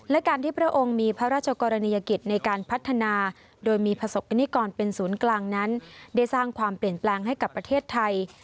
และการที่พระองค์มีพระราชกรณียกิจในการพัฒนาโดยมีประสบกรณิกรเป็นศูนย์กลางนั้นได้สร้างความเปลี่ยนแปลงให้กับประเทศไทย